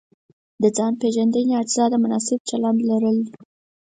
د ځان پېژندنې اجزا مناسب چلند لرل دي.